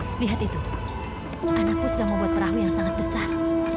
melihat itu anakku sudah membuat perahu yang sangat besar